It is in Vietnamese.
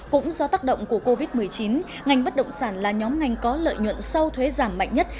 cũng do tác động của covid một mươi chín ngành bất động sản là nhóm ngành có lợi nhuận sau thuế giảm mạnh nhất